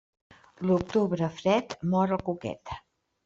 L'octubre fred, mor el cuquet.